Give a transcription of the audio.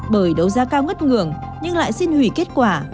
bởi đấu giá cao ngất ngường nhưng lại xin hủy kết quả